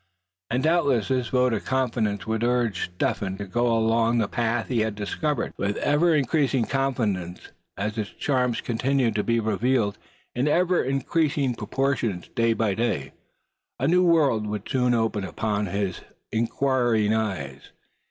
And doubtless this vote of confidence would urge Step Hen to go along the path he had discovered, with ever increasing confidence, as its charms continued to be revealed in ever increasing proportions day by day. A new world would soon open up to his inquiring eyes.